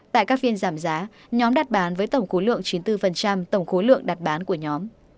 tại các phiên giảm giá nhóm đặt bán với tổng khối lượng chín mươi bốn tổng khối lượng đặt bán của nhóm